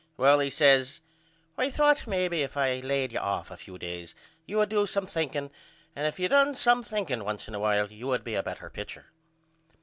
Well, he says, I thought maybe if I layed you off a few days you would do some thinking and if you done some thinking once in a while you would be a better pitcher.